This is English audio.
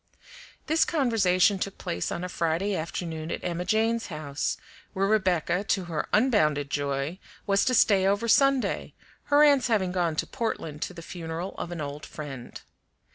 This conversation took place on a Friday afternoon at Emma Jane's house, where Rebecca, to her unbounded joy, was to stay over Sunday, her aunts having gone to Portland to the funeral of an old friend.